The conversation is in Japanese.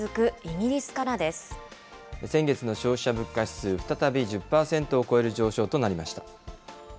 イギリスから先月の消費者物価指数、再び１０％を超える上昇となりました。